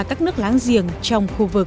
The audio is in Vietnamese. các nước láng giềng trong khu vực